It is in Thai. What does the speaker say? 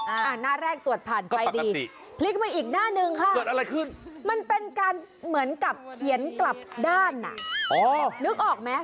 อ่าหน้าแรกตรวจผ่านไปดีพลิกมาอีกหน้าหนึ่งค่ะมันเป็นการเหมือนกับเขียนกลับด้านน่ะนึกออกไหม